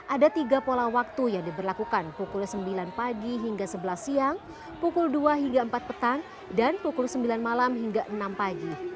ada tiga pola waktu yang diberlakukan pukul sembilan pagi hingga sebelas siang pukul dua hingga empat petang dan pukul sembilan malam hingga enam pagi